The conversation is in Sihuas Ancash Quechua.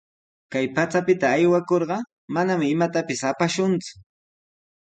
Kay pachapita aywakurqa, manami imatapis apakushunku.